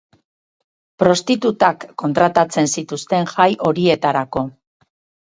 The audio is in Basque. Prostitutak kontratatzen zituzten jai horietarako.